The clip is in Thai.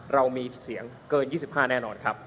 เรามีเสียงเกิน๒๕แน่นอนครับ